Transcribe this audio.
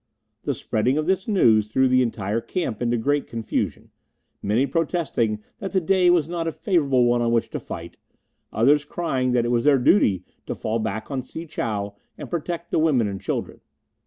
The spreading of this news threw the entire camp into great confusion, many protesting that the day was not a favourable one on which to fight, others crying that it was their duty to fall back on Si chow and protect the women and children.